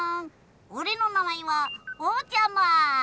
おれのなまえはおじゃま。